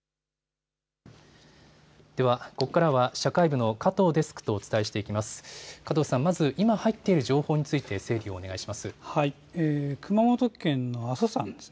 ではここからは社会部の加藤デスクとお伝えしていきます。